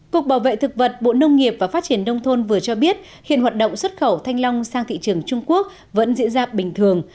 cục bảo vệ thực vật bộ nông nghiệp và phát triển đông thôn vừa cho biết hiện hoạt động xuất khẩu thanh long sang thị trường trung quốc vẫn diễn ra bình thường